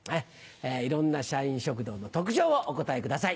いろんな社員食堂の特徴をお答えください。